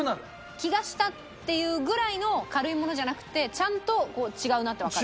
気がしたっていうぐらいの軽いものじゃなくてちゃんと違うなってわかる？